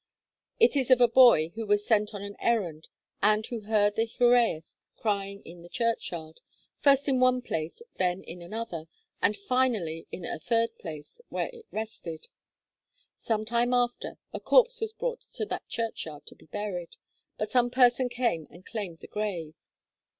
It is of a boy who was sent on an errand, and who heard the Cyhyraeth crying in the churchyard, first in one place, then in another, and finally in a third place, where it rested. Some time after, a corpse was brought to that churchyard to be buried, but some person came and claimed the grave.